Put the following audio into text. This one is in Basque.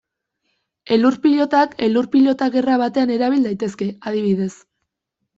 Elur-pilotak elur-pilota gerra batean erabil daitezke, adibidez.